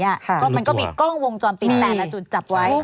ก็มันก็มีกล้องวงจรปิดแต่ละจุดจับไว้